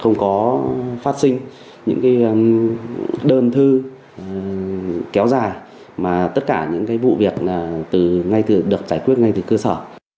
không có phát sinh những đơn thư kéo dài mà tất cả những cái vụ việc ngay được giải quyết ngay từ cơ sở